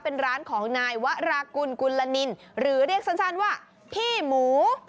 เป็นร้านของนายวรากุลกุลนินหรือเรียกสั้นว่าพี่หมู